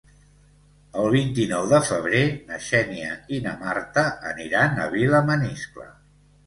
El vint-i-nou de febrer na Xènia i na Marta aniran a Vilamaniscle.